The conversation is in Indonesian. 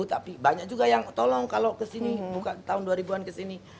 tapi banyak juga yang tolong kalau ke sini buka tahun dua ribu an ke sini